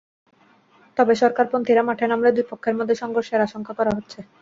তবে সরকারপন্থীরা মাঠে নামলে দুই পক্ষের মধ্যে সংঘর্ষের আশঙ্কা করা হচ্ছে।